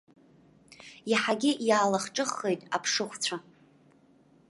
Иаҳагьы иаалах-ҿыххеит аԥшыхәцәа.